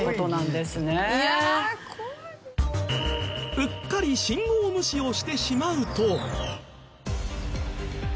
うっかり信号無視をしてしまうと。